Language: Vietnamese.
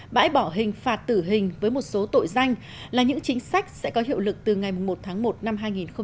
bãi bỏ hình phạt tử hình với một số tội danh là những chính sách sẽ có hiệu lực từ ngày một tháng một năm hai nghìn hai mươi